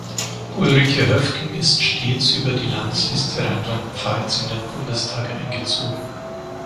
Ulrike Höfken ist stets über die Landesliste Rheinland-Pfalz in den Bundestag eingezogen.